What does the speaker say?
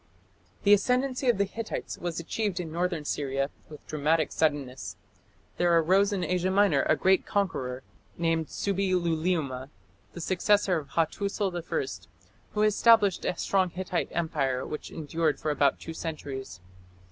The ascendancy of the Hittites was achieved in northern Syria with dramatic suddenness. There arose in Asia Minor a great conqueror, named Subbi luliuma, the successor of Hattusil I, who established a strong Hittite empire which endured for about two centuries.